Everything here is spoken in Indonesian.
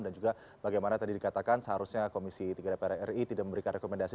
dan juga bagaimana tadi dikatakan seharusnya komisi tiga dpr ri tidak memberikan rekomendasi